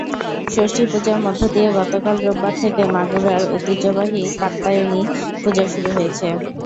ষষ্ঠী পূজার মধ্য দিয়ে গতকাল রোববার থেকে মাগুরার ঐতিহ্যবাহী কাত্যায়নী পূজা শুরু হয়েছে।